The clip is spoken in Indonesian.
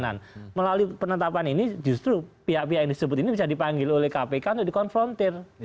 nah melalui penetapan ini justru pihak pihak yang disebut ini bisa dipanggil oleh kpk untuk dikonfrontir